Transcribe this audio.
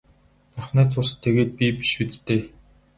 Бурхны цус тэгээд би биш биз дээ.